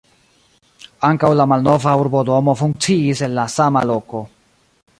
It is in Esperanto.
Ankaŭ la malnova urbodomo funkciis en la sama loko.